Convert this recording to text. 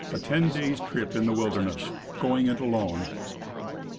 k TEN DAYS' TRIP IN THE WILDERNESS. GOING IT ALONE.